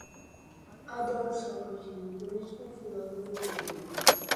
Adoro o Sócrates, o político e o filósofo grego.